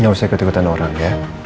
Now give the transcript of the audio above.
nggak usah ikut ikutan orang ya